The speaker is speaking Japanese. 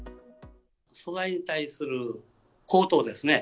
素材に対する高騰ですね。